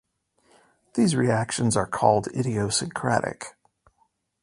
These reactions are called idiosyncratic.